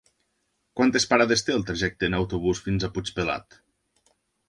Quantes parades té el trajecte en autobús fins a Puigpelat?